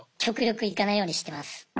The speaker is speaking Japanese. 極力行かないようにしてます。